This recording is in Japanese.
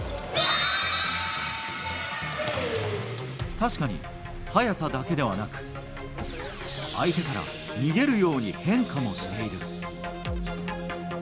確かに、速さだけではなく相手から逃げるように変化もしている。